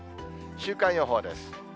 週間予報です。